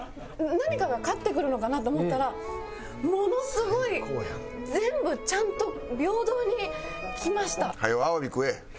何かが勝ってくるのかなと思ったらものすごい全部ちゃんと平等にきました。